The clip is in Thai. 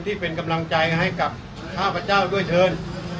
ที่เป็นกำลังใจให้กับข้าพเจ้าด้วยเชิญ